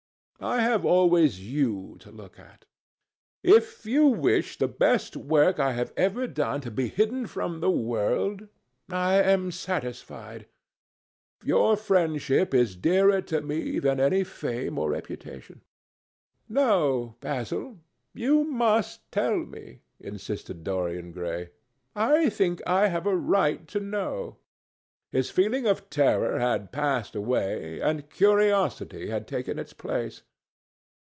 I have always you to look at. If you wish the best work I have ever done to be hidden from the world, I am satisfied. Your friendship is dearer to me than any fame or reputation." "No, Basil, you must tell me," insisted Dorian Gray. "I think I have a right to know." His feeling of terror had passed away, and curiosity had taken its place.